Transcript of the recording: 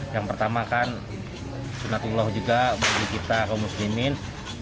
yang pertama kan sunatullah juga bagi kita kemuslimin